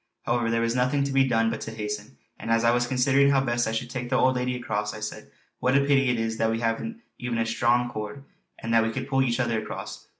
However there was nothing to be done but to hasten; and as I was considering how best I should take the old lady across I said: "What a pity it is that we haven't even a strong cord, and then we could pull each other across."